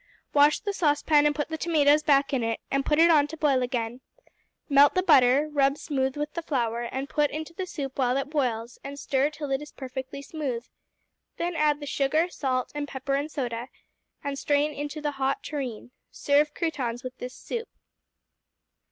Wash the saucepan and put the tomatoes back in it, and put on to boil again; melt the butter, rub smooth with the flour, and put into the soup while it boils, and stir till it is perfectly smooth. Then add the sugar, salt, and pepper and soda, and strain into the hot tureen. Serve croutons with this soup.